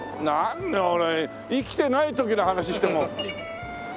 何俺生きてない時の話しても。